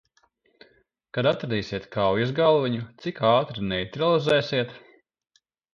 Kad atradīsiet kaujas galviņu, cik ātri neitralizēsiet?